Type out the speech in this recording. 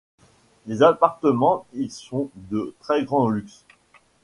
Les appartements y sont de très grand luxe.